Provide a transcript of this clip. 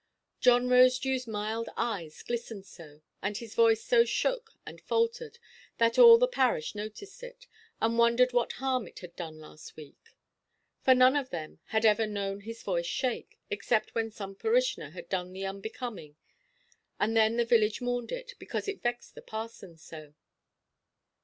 John Rosedewʼs mild eyes glistened so, and his voice so shook and faltered, that all the parish noticed it, and wondered what harm it had done last week. For none of them had ever known his voice shake, except when some parishioner had done the unbecoming; and then the village mourned it, because it vexed the parson so.